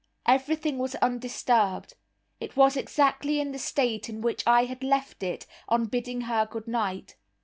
Everything was undisturbed. It was exactly in the state in which I had left it on bidding her good night.